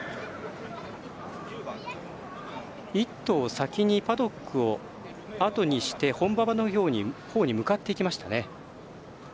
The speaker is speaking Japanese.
１頭、先にパドックをあとにして本馬場のほうに向かっていきましたね。